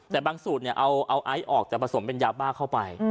แต่บางสูตรเอาไอซ์ออกจะผสมเป็นยาบ้าเข้าไป